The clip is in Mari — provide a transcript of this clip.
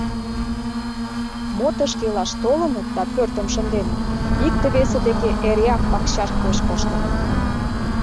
Мо тышке илаш толыныт да пӧртым шынденыт, икте-весе деке эреак пакчашт гоч коштыныт.